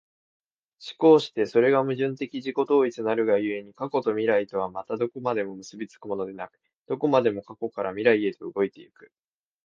而してそれが矛盾的自己同一なるが故に、過去と未来とはまたどこまでも結び付くものでなく、どこまでも過去から未来へと動いて行く。